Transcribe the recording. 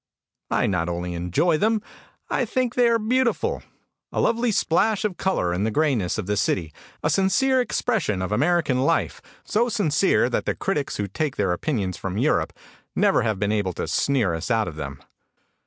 I not only enjoy them; I think they are beautiful. A lovely splash of color in the grayness of the city, a sincere expression of American life, so sincere that the critics who take their opinions from Europe never have been able to sneer us out of them.